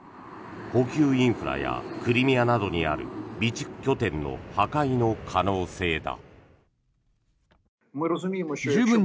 補給インフラやクリミアなどにある備蓄拠点の破壊の可能性だ。